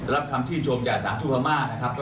รับความที่ชมจากท่านสำคัญทุกพม่า